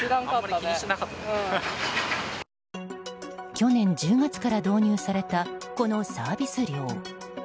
去年１０月から導入されたこのサービス料。